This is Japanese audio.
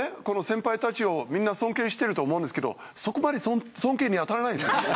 この先輩たちをみんな尊敬してると思うんですけどそこまで尊敬にあたらないですよ。